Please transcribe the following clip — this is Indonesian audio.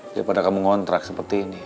daripada kamu ngontrak seperti ini